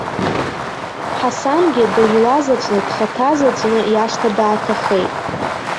Ҳасангьы дыжәлазаҵәны, дхаҭазаҵәны иашҭа дааҭахеит.